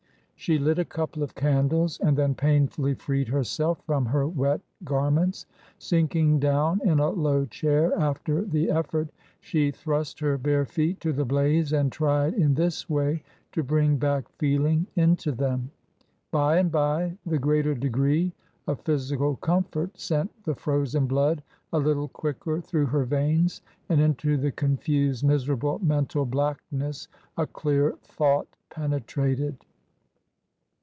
She lit a couple of candles and then painfully freed herself from her wet garments. Sinking down in a low chair after the effort, she thrust her bare feet to the blaze and tried in this way to bring back feeling into them. By and bye the greater degree of physical comfort sent the frozen blood a little quicker through her veins ; and into the confused miserable mental blackness a clear thought penetrated.